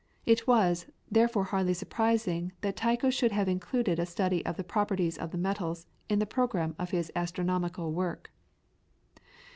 It was, therefore hardly surprising that Tycho should have included a study of the properties of the metals in the programme of his astronomical work.